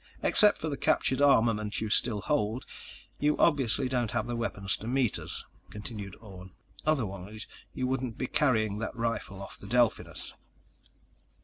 "Except for the captured armament you still hold, you obviously don't have the weapons to meet us," continued Orne. "Otherwise, you wouldn't be carrying that rifle off the Delphinus."